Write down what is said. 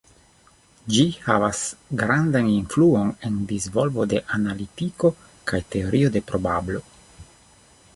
Ĝi havas grandan influon en disvolvo de Analitiko kaj Teorio de probablo.